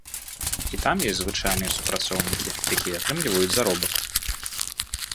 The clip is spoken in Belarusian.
І там ёсць звычайныя супрацоўнікі, якія атрымліваюць заробак.